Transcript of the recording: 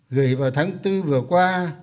gửi vào tháng bốn vừa qua